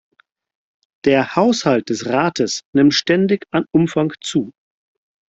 Der Haushalt des Rates nimmt ständig an Umfang zu.